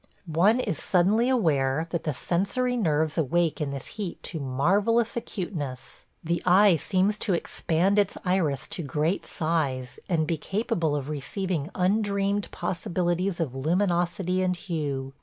One is suddenly aware that the sensory nerves awake in this heat to marvellous acuteness. The eye seems to expand its iris to great size and be capable of receiving undreamed possibilities of luminosity and hue.